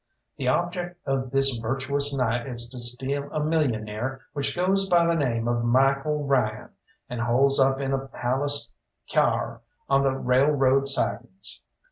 The objec' of this virtuous night is to steal a millionaire which goes by the name of Michael Ryan, and holes up in a palace cyar on the railroad sidings.